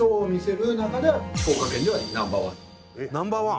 ナンバーワン？